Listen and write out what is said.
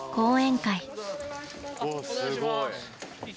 ・すごい。